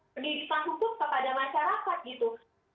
pendidikan hukum kepada masyarakat gitu